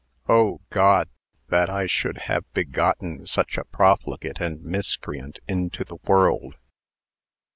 O God! that I should have begotten such a profligate and miscreant into the world!"